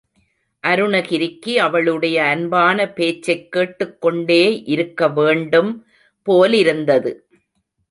அருணகிரிக்கு அவளுடைய அன்பான பேச்சைக் கேட்டுக் கொண்டே இருக்க வேண்டும் போலிருந்தது.